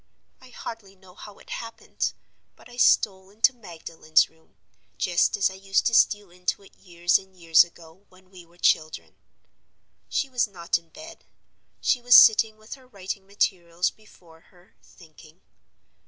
I hardly know how it happened, but I stole into Magdalen's room, just as I used to steal into it years and years ago, when we were children. She was not in bed; she was sitting with her writing materials before her, thinking.